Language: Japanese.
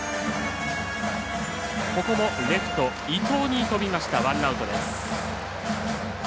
ここもレフト伊藤に飛びましたワンアウトです。